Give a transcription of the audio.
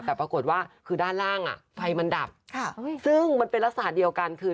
แต่ปรากฏว่าคือด้านล่างอ่ะไฟมันดับซึ่งมันเป็นลักษณะเดียวกันคือ